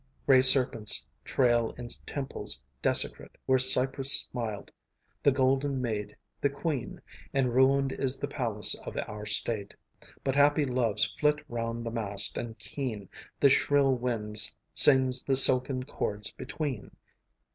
Gray serpents trail in temples desecrate Where Cypris smiled, the golden maid, the queen, And ruined is the palace of our state; But happy loves flit round the mast, and keen The shrill winds sings the silken cords between.